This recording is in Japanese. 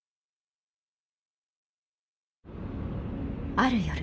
ある夜